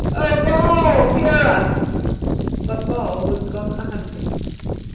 Oh, Baal, hear us! But Baal was gone a hunting."